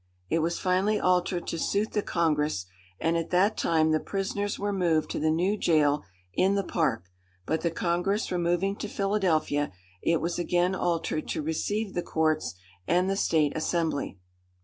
It was finally altered to suit the Congress; and at that time the prisoners were moved to the new jail in the park; but the Congress removing to Philadelphia, it was again altered to receive the courts and the State Assembly.